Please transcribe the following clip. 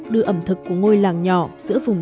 đưa ẩm thực của ngôi làng nhỏ giữa vùng